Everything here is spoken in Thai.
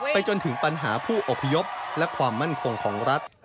จนถึงปัญหาผู้อพยพและความมั่นคงของรัฐ